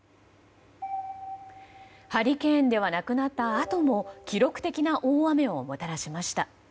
ハリケーンではなくなったあとも記録的な大雨をもたらしました。